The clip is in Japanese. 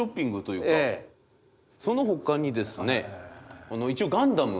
そのほかにですね一応ガンダム。